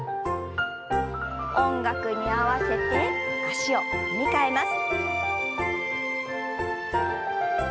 音楽に合わせて足を踏み替えます。